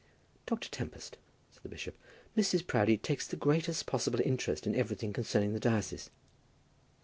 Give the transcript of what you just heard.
"Dr. Tempest," said the bishop, "Mrs. Proudie takes the greatest possible interest in everything concerning the diocese."